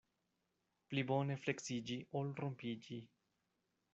Pli bone fleksiĝi, ol rompiĝi.